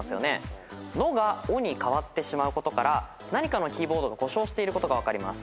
「の」が「お」に変わってしまうことから何かのキーボードが故障していることが分かります。